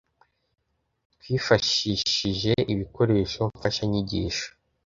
twifashishije ibikoresho mfashanyigisho